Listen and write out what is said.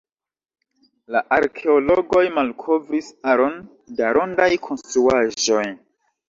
La arkeologoj malkovris aron da rondaj konstruaĵoj.